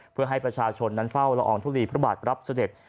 เพื่อให้ประชาชนนั้นเฝ้าละอองทุลีพระบาทรับเสด็จ